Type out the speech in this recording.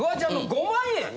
５万円！